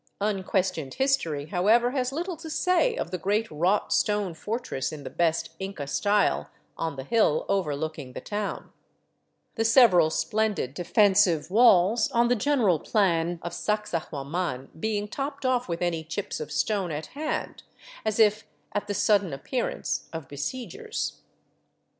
Unquestioned history, however, has little to say of the great wrought stone fortress in the best " Inca style " on the hill overlooking the town ; the several splendid defensive walls, on the general plan of Sacsahuaman, being topped off with any chips of stone at hand, as if at the sudden appear ance of besiegers.